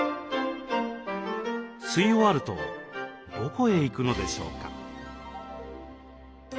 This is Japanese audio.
吸い終わるとどこへ行くのでしょうか？